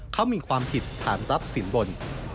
เขามีความผิดขามรับศิลป์บน